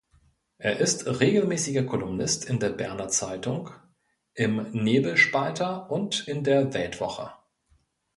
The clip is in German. Er ist regelmässiger Kolumnist in der Berner Zeitung, im Nebelspalter und in der Weltwoche.